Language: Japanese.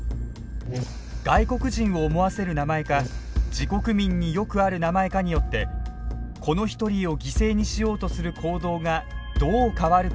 外国人を思わせる名前か自国民によくある名前かによってこの一人を犠牲にしようとする行動がどう変わるか調べたのです。